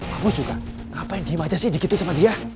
pak bos juga kenapa yang diem aja sih dikituin sama dia